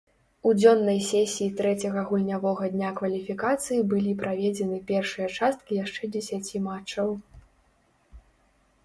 У дзённай сесіі трэцяга гульнявога дня кваліфікацыі былі праведзены першыя часткі яшчэ дзесяці матчаў.